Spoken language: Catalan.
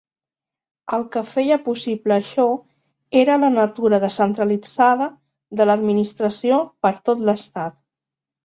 El que feia possible això era la natura descentralitzada de l'administració per tot l'estat.